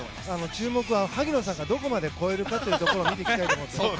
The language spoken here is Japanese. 注目は萩野さんがどこまで超えるか見ていきたいと思います。